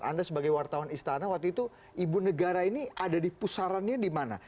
anda sebagai wartawan istana waktu itu ibu negara ini ada di pusarannya di mana